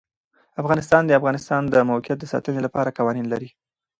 افغانستان د د افغانستان د موقعیت د ساتنې لپاره قوانین لري.